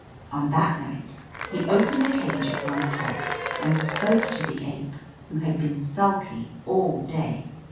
On that night, he opened the cage at one o'clock, aiKl spoke to the ape, who had been sulky all day.